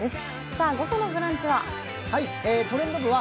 さあ、午後の「ブランチ」は？